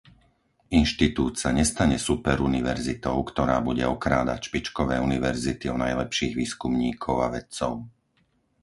Inštitút sa nestane superuniverzitou, ktorá bude okrádať špičkové univerzity o najlepších výskumníkov a vedcov.